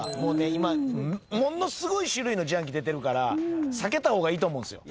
今ものすごい種類の自販機出てるから避けた方がいいと思うんすよ。